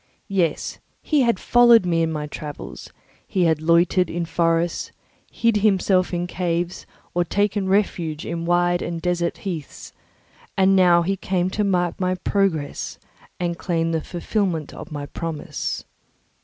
Yes, he had followed me in my travels; he had loitered in forests, hid himself in caves, or taken refuge in wide and desert heaths; and he now came to mark my progress and claim the fulfilment of my promise.